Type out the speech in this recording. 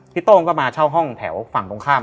โต้งก็มาเช่าห้องแถวฝั่งตรงข้าม